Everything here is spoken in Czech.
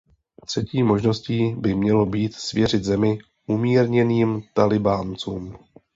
Třetí možností by mělo být svěřit zemi umírněným Tálibáncům.